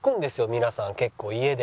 皆さん結構家で。